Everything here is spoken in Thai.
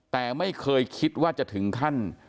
แต่ไม่เคยคิดว่าจะถึงขั้น